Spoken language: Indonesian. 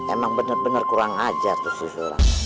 emang bener bener kurang ajar tuh si sulam